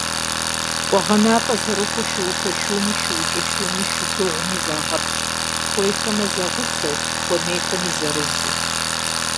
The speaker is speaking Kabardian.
КъуэгъэнапӀэ зэрыхъуу шуупэ шуми, шуукӀэ шуми, шыдыгъуми загъэпщкӀу, хуейхэмэ, зэгъусэу, хуэмейхэмэ, зырызу.